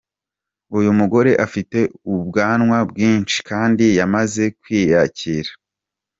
Uyu mugore afite ubwanwa bwinshi kandi yamaze kwiyakira.